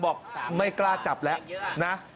บอกไม่กล้าจับแล้วนะ